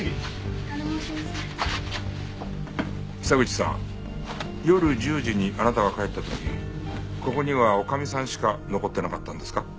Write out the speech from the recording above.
久口さん夜１０時にあなたが帰った時ここには女将さんしか残ってなかったんですか？